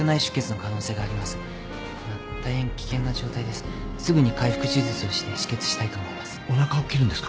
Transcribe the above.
すぐに開腹手術をして止血したいと思います。